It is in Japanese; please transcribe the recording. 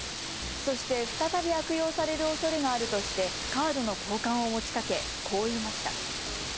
そして、再び悪用されるおそれがあるとしてカードの交換を持ちかけ、こう言いました。